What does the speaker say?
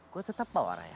gue tetap bawa raya